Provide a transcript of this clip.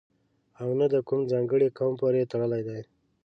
او نه د کوم ځانګړي قوم پورې تړلی دی.